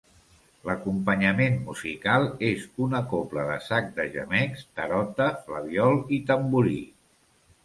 L'acompanyament musical és una Cobla de sac de gemecs, tarota, flabiol i tamborí.